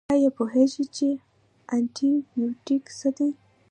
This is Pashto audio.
ایا پوهیږئ چې انټي بیوټیک څه دي؟